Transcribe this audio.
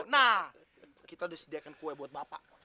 nah kita udah sediakan kue buat bapak